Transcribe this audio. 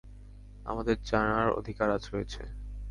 আমাদের জানার অধিকার রয়েছে!